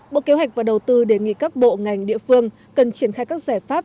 bộ kế hoạch và đầu tư đề nghị các bộ ngành địa phương cần triển khai các giải pháp